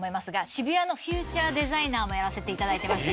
渋谷のフューチャーデザイナーもやらせていただいてまして。